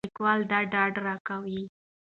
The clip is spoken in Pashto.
لیکوال دا ډاډ راکوي.